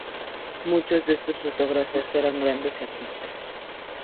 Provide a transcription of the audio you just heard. Muchos de estos fotógrafos eran grandes artistas.